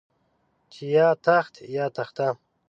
چې يا تخت يا تخته.